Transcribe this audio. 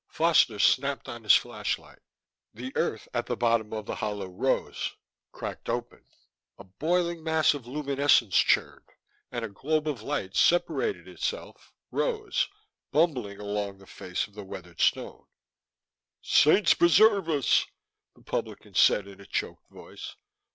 Foster snapped on his flashlight. The earth at the bottom of the hollow rose, cracked open. A boiling mass of luminescence churned, and a globe of light separated itself, rose, bumbling along the face of the weathered stone. "Saints preserve us," the publican said in a choked voice.